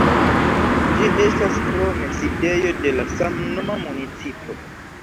Ĝi estas krome sidejo de la samnoma municipo.